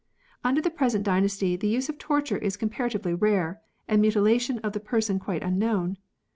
Under the present dynasty the use of torture is comparatively rare, and mutilation of the person quite unknown.